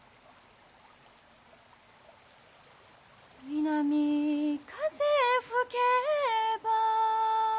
「南風吹けば」